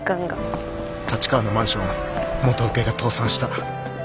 立川のマンション元請けが倒産した。